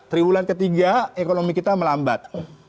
triwulan ketiga ekonomi kita melambat